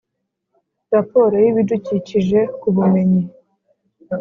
Raporo y ibidukikije ku bumenyi